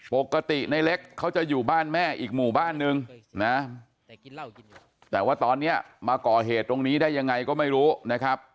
ปกติในเล็กเขาจะอยู่บ้านแม่อีกหมู่บ้านนึงนะแต่ว่าตอนนี้มาก่อเหตุตรงนี้ได้ยังไงก็ไม่รู้นะครับ